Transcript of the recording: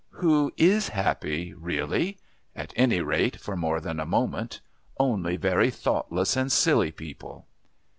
"Who is happy really? At any rate for more than a moment. Only very thoughtless and silly people."